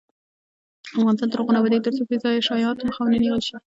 افغانستان تر هغو نه ابادیږي، ترڅو بې ځایه شایعاتو مخه ونیول نشي.